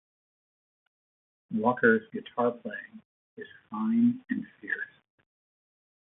Walker's guitar playing is fine and fierce.